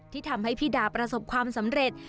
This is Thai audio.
ที่ทำให้พี่ดาประสบความสำเร็จ